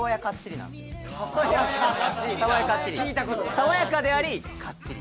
爽やかでありかっちり。